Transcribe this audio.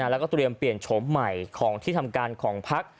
แล้วก็เตรียมเปลี่ยนโฉมใหม่ของที่ทำการของพัก